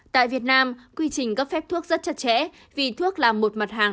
tại việt nam quy trình cấp phép thuốc rất chặt chẽ vì thuốc là một mặt hàng